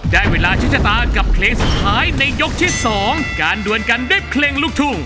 ได้เวลาชิดชะตากับเพลงสุดท้ายในยกที่สองการดวนกันด้วยเพลงลูกทุ่ง